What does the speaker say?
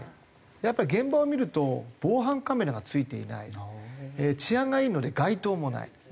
やっぱり現場を見ると防犯カメラが付いていない治安がいいので街灯もない。